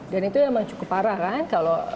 dan itu emang cukup parah kan kalau